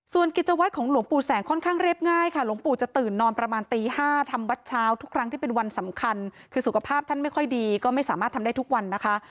ส่วนกิจวัตรของหลวงปู่แสงค่อนข้างเรียบง่ายค่ะหลวงปู่จะตื่นนอนประมาณตี๕ทำวัดเช้าทุกครั้งที่เป็นวันสำคัญคือสุขภาพท่านไม่ค่อยดีก็ไม่สามารถทำได้ทุกวันนะคะ